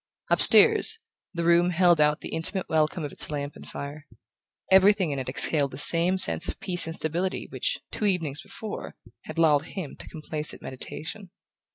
Upstairs, the room held out the intimate welcome of its lamp and fire. Everything in it exhaled the same sense of peace and stability which, two evenings before, had lulled him to complacent meditation.